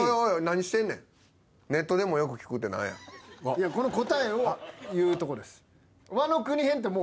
いやこの答えを言うとこです。